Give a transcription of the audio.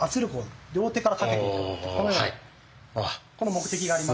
この目的があります。